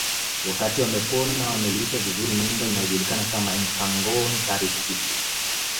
Wakati wamepona na wamelishwa vizuri nyumba inayojulikana kama Enkangoo Ntaritik